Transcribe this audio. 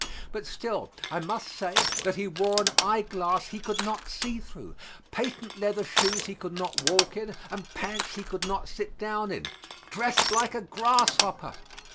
But still I must say that he wore an eye glass he could not see through; patent leather shoes he could not walk in, and pants he could not sit down in dressed like a grasshopper!